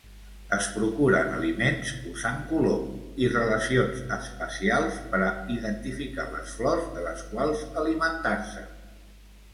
Es procuren aliments usant color i relacions espacials per a identificar les flors de les quals alimentar-se.